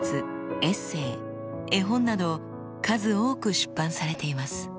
エッセー絵本など数多く出版されています。